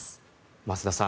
増田さん